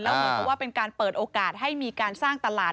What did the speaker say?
เหมือนกับว่าเป็นการเปิดโอกาสให้มีการสร้างตลาด